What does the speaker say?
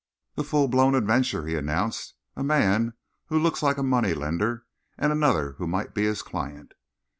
"A full blown adventure," he announced. "A man who looks like a money lender, and another who might be his client."